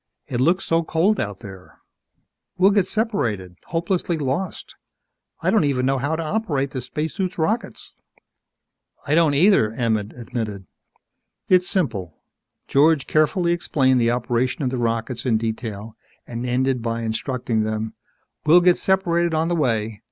"It looks so cold out there. We'll get separated hopelessly lost. I don't even know how to operate the spacesuit's rockets!" "I don't either," Emmett admitted. "It's simple." George carefully explained the operation of the rockets in detail and ended by instructing them, "We'll get separated on the way.